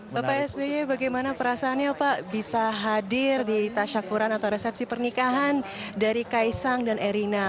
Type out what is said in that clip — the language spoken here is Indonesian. bapak sby bagaimana perasaannya pak bisa hadir di tasyakuran atau resepsi pernikahan dari kaisang dan erina